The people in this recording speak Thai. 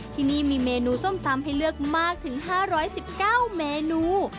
ที่นี่มีเมนูส้มตำให้เลือกมากถึง๕๑๙เมนู